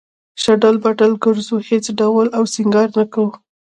شډل بډل گرځو هېڅ ډول او سينگار نۀ کوو